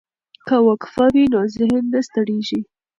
که وقفه وي نو ذهن نه ستړی کیږي.